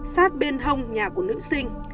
sát bên hông nhà của nữ sinh